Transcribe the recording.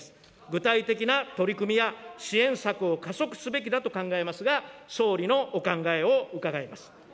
具体的な取り組みや支援策を加速すべきだと考えますが、総理のお考えを伺います。